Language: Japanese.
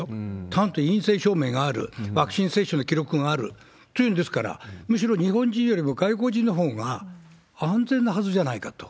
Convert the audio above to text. ちゃんと陰性証明がある、ワクチン接種の記録がある、というんですから、むしろ日本人よりも外国人のほうが安全なはずじゃないかと。